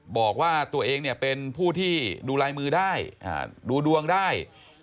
บอกว่าตัวเองเนี่ยเป็นผู้ที่ดูลายมือได้ดูดวงได้